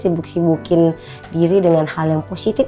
sibuk sibukin diri dengan hal yang positif